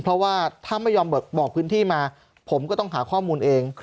เพราะว่าถ้าไม่ยอมบอกพื้นที่มาผมก็ต้องหาข้อมูลเอง